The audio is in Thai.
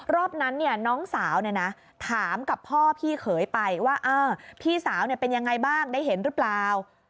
รอบนั้นน้องสาวถามกับพ่อพี่เขยไปว่าพี่สาวเป็นยังไงบ้างได้เห็นหรือเปล่า